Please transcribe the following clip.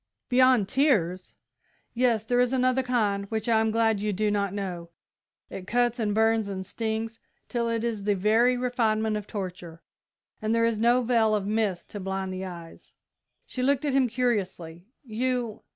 "Beyond tears?" "Yes; there is another kind, which I am glad you do not know. It cuts and burns and stings till it is the very refinement of torture, and there is no veil of mist to blind the eyes." She looked at him curiously. "You